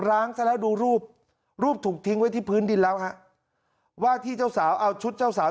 ้างซะแล้วดูรูปรูปถูกทิ้งไว้ที่พื้นดินแล้วฮะว่าที่เจ้าสาวเอาชุดเจ้าสาว